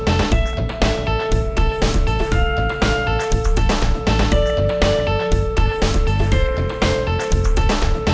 pak be jb ya